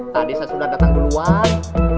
tadi saya sudah datang duluan